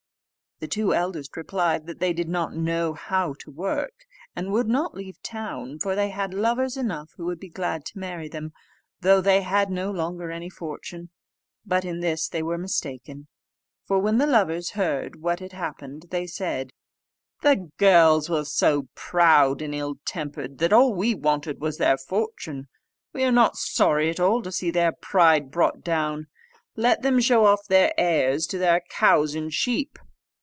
The two eldest replied that they did not know how to work, and would not leave town; for they had lovers enough who would be glad to marry them, though they had no longer any fortune. But in this they were mistaken; for when the lovers heard what had happened, they said, "The girls were so proud and ill tempered, that all we wanted was their fortune: we are not sorry at all to see their pride brought down: let them show off their airs to their cows and sheep."